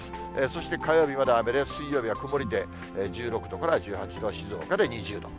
そして火曜日まで雨で、水曜日は曇りで１６度から１８度、静岡で２０度。